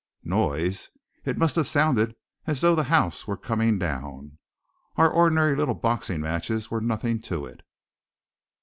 Noise! It must have sounded as though the house were coming down. Our ordinary little boxing matches were nothing to it.